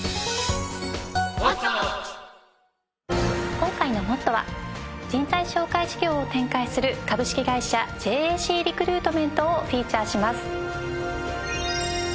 今回の『ＭＯＴＴＯ！！』は人材紹介事業を展開する株式会社ＪＡＣＲｅｃｒｕｉｔｍｅｎｔをフィーチャーします。